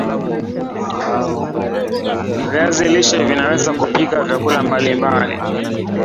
viazi lishe vinaweza kupika vyakula mbali mbali